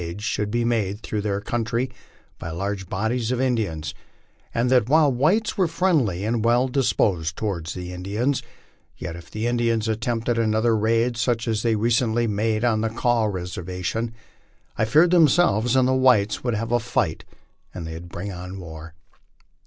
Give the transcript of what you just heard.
ids should be made through their country by large bodies of Indians; and that while the whites were friendly and well disposed toward the Indians, yet if the Indians attempted another laid such as they re cently made on the Kaw reservation, I feared themselves and the whites would have a light, and that it would bring on war.